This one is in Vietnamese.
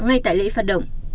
ngay tại lễ phát động